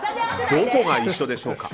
どこが一緒でしょうか。